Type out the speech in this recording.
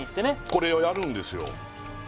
これをやるんですよ